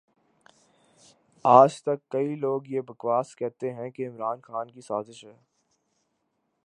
اجتک کئئ لوگ یہ بکواس کہتے ھیں کہ عمران خان کی سازش ھے